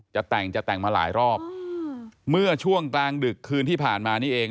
จะแต่งจะแต่งมาหลายรอบเมื่อช่วงกลางดึกคืนที่ผ่านมานี่เอง